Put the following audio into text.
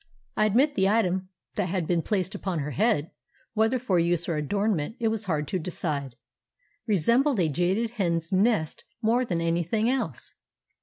I admit the item that had been placed upon her head—whether for use or adornment it was hard to decide—resembled a jaded hen's nest more than anything else!